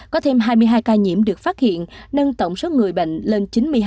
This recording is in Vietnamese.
có thêm hai mươi hai ca nhiễm được phát hiện nâng tổng số người bệnh lên chín mươi hai